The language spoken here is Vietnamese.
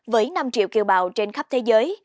với năm triệu kiều bào trên khắp thế giới